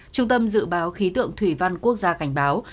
trung tâm dự báo khí tượng thủy văn quốc gia cảnh báo